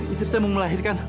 istri saya mau melahirkan